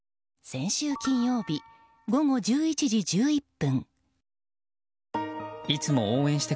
先週金曜日、午後１１時１１分。